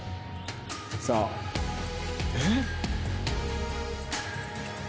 さあえっ？